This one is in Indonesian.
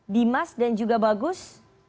dimas dan juga bagus